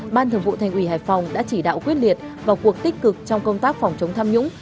ban thường vụ thành ủy hải phòng đã chỉ đạo quyết liệt và cuộc tích cực trong công tác phòng chống tham nhũng